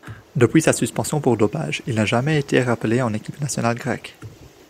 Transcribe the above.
Depuis sa suspension pour dopage, il n'a jamais été rappelé en équipe nationale grecque.